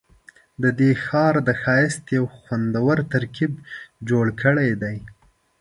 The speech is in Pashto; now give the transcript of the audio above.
ددې ښار د ښایست یو خوندور ترکیب جوړ کړی دی.